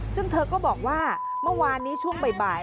ซึ่งเธอก็บอกว่าเมื่อวานนี้ช่วงบ่าย